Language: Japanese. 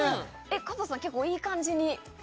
加藤さん、結構いい感じに。